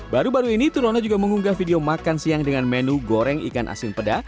baru baru ini turono juga mengunggah video makan siang dengan menu goreng ikan asin peda